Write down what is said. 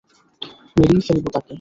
মেরেই ফেলব তোকে।